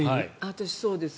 私、そうです。